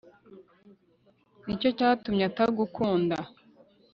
ni cyo cyatumye atagukunda'